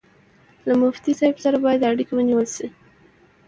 له مفتي صاحب سره باید اړیکه ونیول شي.